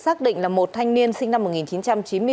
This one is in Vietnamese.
xác định là một thanh niên sinh năm một nghìn chín trăm chín mươi bốn